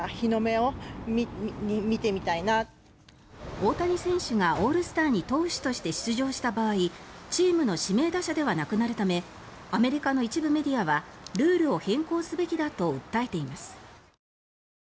大谷選手がオールスターに投手として出場した場合チームの指名打者ではなくなるためアメリカの一部メディアはルールを変更すべきだと訴えています。